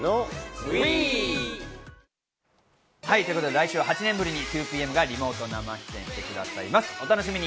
来週、８年ぶりに２ＰＭがリモート生出演してくださいます、お楽しみに。